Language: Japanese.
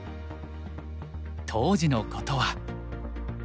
当時のことは。